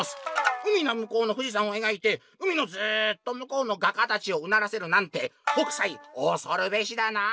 「海のむこうの富士山をえがいて海のずっとむこうの画家たちをうならせるなんて北斎おそるべしだな」。